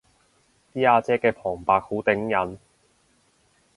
啲阿姐嘅旁白好頂癮